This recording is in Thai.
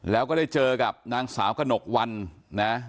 แล้วก็ได้เจอกับนางสาวกระหนกวันนะ